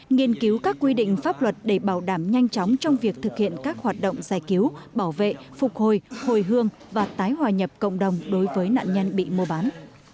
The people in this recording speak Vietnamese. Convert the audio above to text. nghiên cứu các quy định pháp luật để bảo đảm nhanh chóng trong việc thực hiện các hoạt động giải cứu bảo vệ phục hồi hồi hương và tái hòa nhập cộng đồng đối với nạn nhân bị mua bán